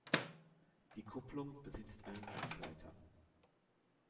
Die Kupplung besitzt einen Schutzleiter.